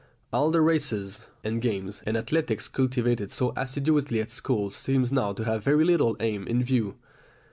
All the races, and games, and athletics cultivated so assiduously at school seem now to have very little aim in view.